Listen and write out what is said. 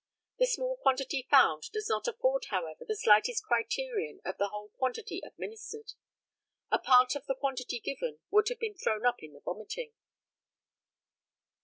The small quantity found does not afford, however, the slightest criterion of the whole quantity administered. A part of the quantity given would be thrown up in the vomiting.